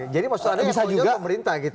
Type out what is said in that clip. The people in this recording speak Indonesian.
jadi maksud anda yang konyol itu pemerintah gitu